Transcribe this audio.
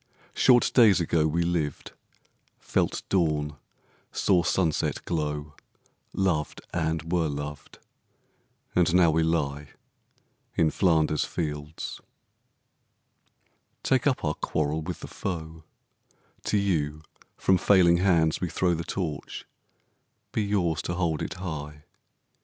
Short days ago We lived, felt dawn, saw sunset glow, Loved, and were loved, and now we lie In Flanders fields. Take up our quarrel with the foe: To you from failing hands we throw The Torch: be yours to hold it high!